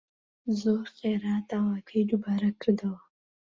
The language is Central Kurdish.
زۆر خێرا داواکەی دووبارە کردەوە